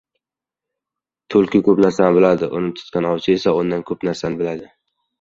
• Tulki ko‘p narsani biladi, uni tutgan ovchi esa — undan ko‘p narsani.